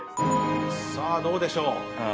さあどうでしょう？